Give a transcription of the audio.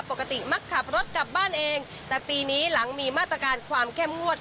ปกติมักขับรถกลับบ้านเองแต่ปีนี้หลังมีมาตรการความเข้มงวด